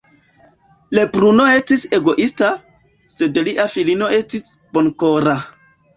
Lebruno estis egoista, sed lia filino estis bonkora.